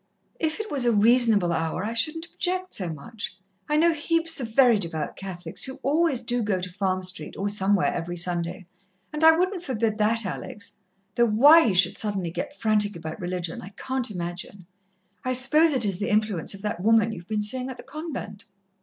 "If it was a reasonable hour I shouldn't object so much I know heaps of very devout Catholics who always do go to Farm Street or somewhere every Sunday, and I wouldn't forbid that, Alex though why you should suddenly get frantic about religion I can't imagine. I suppose it is the influence of that woman you have been seein' at the convent."